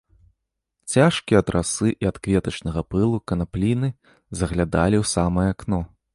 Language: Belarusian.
Цяжкія ад расы і ад кветачнага пылу канапліны заглядалі ў самае акно.